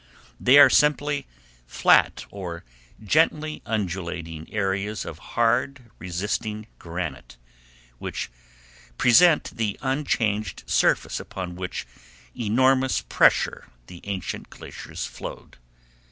They are simply flat or gently undulating areas of hard resisting granite, which present the unchanged surface upon which with enormous pressure the ancient glaciers flowed.